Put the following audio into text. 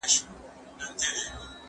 زه اجازه لرم چي درسونه لوستل کړم؟